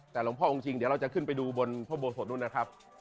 แต่หลวงพ่อองค์จริงเดี๋ยวเราจะขึ้นไปดูบนพระโบสถนู้นนะครับ